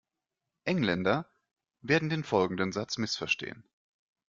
Engländer werden den folgenden Satz missverstehen.